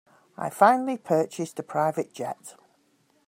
I finally purchased a private jet.